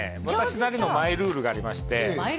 私なりのマイルールがありまして